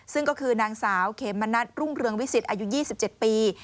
ซึ่งก็คือนางสาวเขมณัฐรุ่งเรืองวิสิตอายุ๒๗ปี